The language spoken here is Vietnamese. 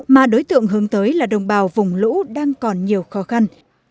mà đối tượng hướng tới là đồng bào vùng lũ đang còn nhiều khó khăn